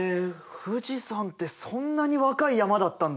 富士山ってそんなに若い山だったんだ。